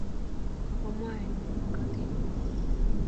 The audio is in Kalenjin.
Ago mwaei ine eng kutinyi